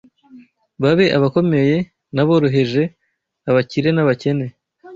baba abakomeye n’aboroheje, abakire n’abakene